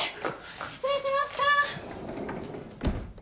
失礼しました！